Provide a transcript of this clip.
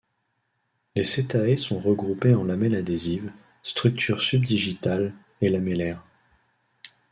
Les setæ sont regroupées en lamelles adhésives, structures subdigitales et lamellaires.